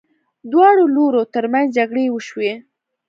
دواړو لورو ترمنځ جګړې وشوې.